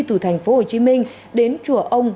từ tp hcm đến chùa ông